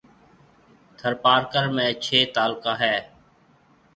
ٿرپارڪر ۾ ڇيَ تعلقہ ھيََََ